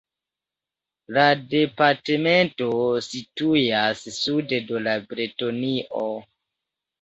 La departemento situas sude de Bretonio.